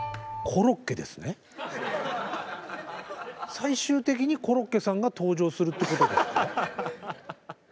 最終的にコロッケさんが登場するってことですか？